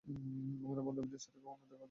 আমার বান্ধবীদের সাথে কখনো দেখা করতে আসো না।